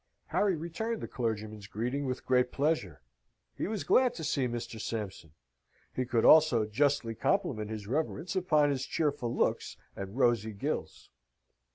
Harry returned the clergyman's greeting with great pleasure: he was glad to see Mr. Sampson; he could also justly compliment his reverence upon his cheerful looks and rosy gills.